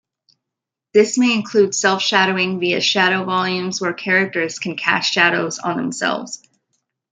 This may include self-shadowing via shadow volumes, where characters can cast shadows on themselves.